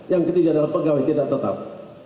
yang ketiga adalah pegawai tidak tetap